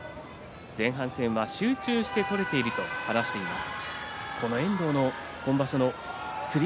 前半では集中して取れていると話しています。